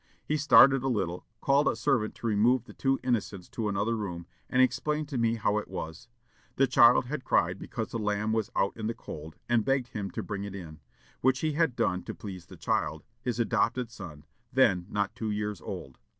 He started a little, called a servant to remove the two innocents to another room, and explained to me how it was. The child had cried because the lamb was out in the cold, and begged him to bring it in, which he had done to please the child, his adopted son, then not two years old.